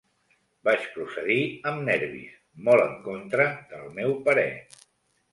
Vaig procedir amb nervis, molt en contra del meu parer.